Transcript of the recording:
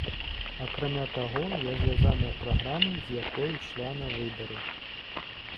Акрамя таго, я звязаная праграмай, з якой ішла на выбары.